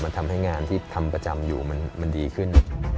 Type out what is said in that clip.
มันทำให้งานที่ทำประจำอยู่มันดีขึ้น